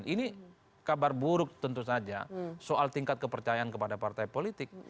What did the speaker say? ini kabar buruk tentu saja soal tingkat kepercayaan kepada partai politik